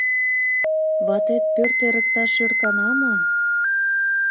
Ватет пӧрт эрыкташ ӧркана мо?